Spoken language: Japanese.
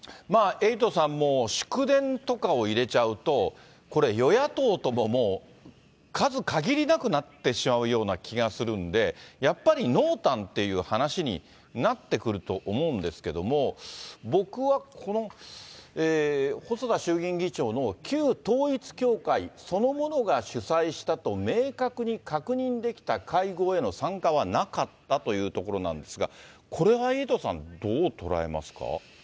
エイトさん、祝電とかを入れちゃうと、これ、与野党とも数限りなくなってしまうような気がするんで、やっぱり濃淡っていう話になってくると思うんですけども、僕はこの細田衆議院議長の旧統一教会そのものが主催したと明確に確認できた会合への参加はなかったというところなんですが、これはエイトさん、どう捉えますか。